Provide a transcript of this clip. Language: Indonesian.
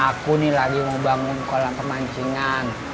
aku nih lagi mau bangun kolam pemancingan